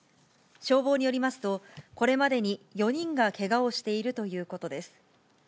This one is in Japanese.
消防によりますと、これまでに４人がけがをしているということです。